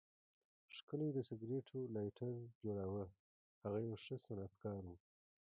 ښکلی د سګریټو لایټر جوړاوه، هغه یو ښه صنعتکار و.